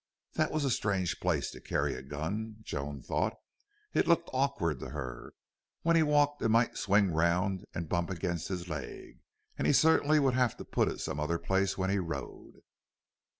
That was a strange place to carry a gun, Joan thought. It looked awkward to her. When he walked it might swing round and bump against his leg. And he certainly would have to put it some other place when he rode.